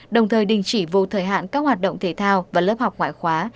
đồng thời đình chỉ vô thời hạn các hoạt động thể thao và lớp học ngoại khóa